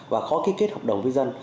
và khó kết hợp đồng với dân